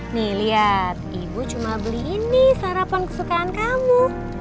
nih lihat ibu cuma beli ini sarapan kesukaan kamu